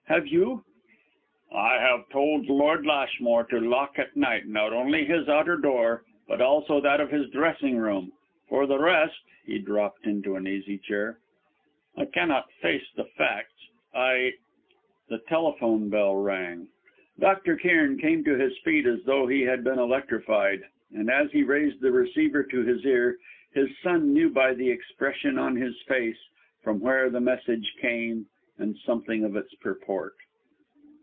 Have you " "I have told Lord Lashmore to lock, at night, not only his outer door but also that of his dressing room. For the rest ?" he dropped into an easy chair, "I cannot face the facts, I " The telephone bell rang. Dr. Cairn came to his feet as though he had been electrified; and as he raised the receiver to his ear, his son knew, by the expression on his face, from where the message came and something of its purport.